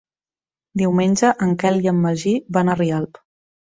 Diumenge en Quel i en Magí van a Rialp.